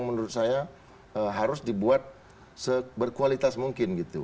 menurut saya harus dibuat berkualitas mungkin gitu